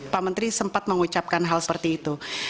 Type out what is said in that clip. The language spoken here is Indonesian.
pak menteri sempat mengucapkan hal seperti itu